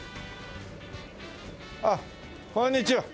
ああこんにちは